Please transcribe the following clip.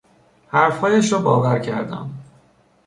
حرفهایش را باور کردم.